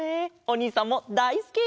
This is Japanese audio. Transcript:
おにいさんもだいすき！